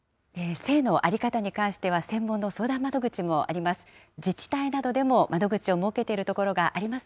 性の在り方に関しては、専門の相談窓口もあります。